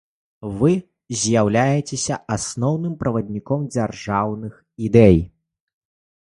Вы з'яўляецеся асноўным правадніком дзяржаўных ідэй.